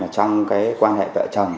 trong cái quan hệ vợ chồng